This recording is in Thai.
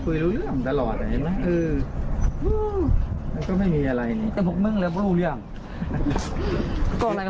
คุยรู้เรื่องตลอดเห็นไหมคือแล้วก็ไม่มีอะไรนี่